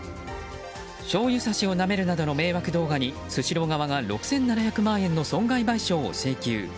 しょうゆさしをなめるなどの迷惑動画にスシロー側が６７００万円の損害賠償を請求。